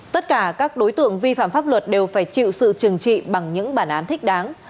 tất cả các đối tượng vi phạm pháp luật đều phải chịu sự trừng trị bằng những bản án thích đáng